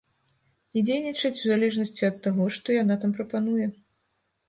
І дзейнічаюць у залежнасці ад таго, што яна там прапануе.